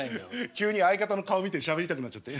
急に相方の顔見てしゃべりたくなっちゃって。